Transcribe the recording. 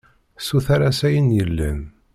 Suter-as ayen yellan.